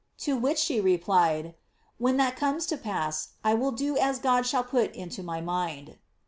To which she replied, ^ When that comes to pass, I will do as God shall put into my mind.'